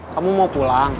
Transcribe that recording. kamu mau pulang